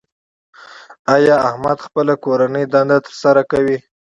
ایا احمد خپله کورنۍ دنده تر سره کوي؟